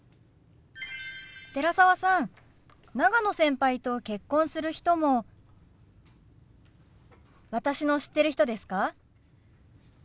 寺澤さん長野先輩と結婚する人も私の知ってる人ですか？